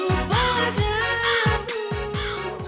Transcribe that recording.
joget joget ya diriku padamu